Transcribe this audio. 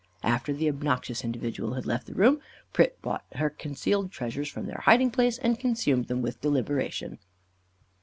After the obnoxious individual had left the room, Pret brought her concealed treasures from their hiding place and consumed them with deliberation.